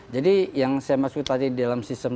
jadi yang saya masukkan tadi dalam